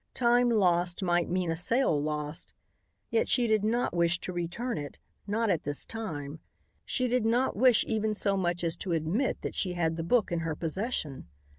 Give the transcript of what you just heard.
Time lost might mean a sale lost, yet she did not wish to return it, not at this time. She did not wish even so much as to admit that she had the book in her possession.